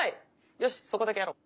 よしそこだけやろう。